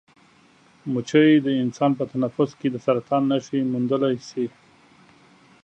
مچۍ د انسان په تنفس کې د سرطان نښې موندلی شي.